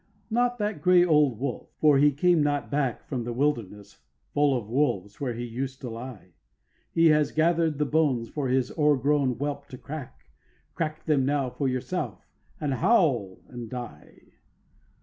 5. Not that gray old wolf, for he came not back From the wilderness, full of wolves, where he used to lie; He has gather'd the bones for his o'ergrown whelp to crack; Crack them now for yourself, and howl, and die.